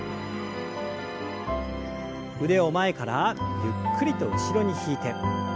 腕を前からゆっくりと後ろに引いて。